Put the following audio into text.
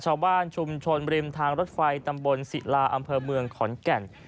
ชาวบ้านชุมชนริมทางรถไฟตำบลศิลาอำเภอเมืองขอนแก่น